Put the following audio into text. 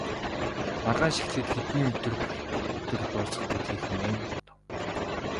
Маргааш эхлээд хэдний өдөр дуусах билээ хэмээн бодов.